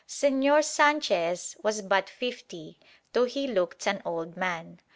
Señor Sanchez was but fifty, though he looked an old man.